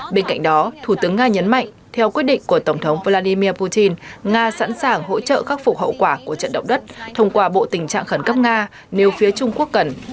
bên cạnh đó thủ tướng nga nhấn mạnh theo quyết định của tổng thống vladimir putin nga sẵn sàng hỗ trợ khắc phục hậu quả của trận động đất thông qua bộ tình trạng khẩn cấp nga nếu phía trung quốc cần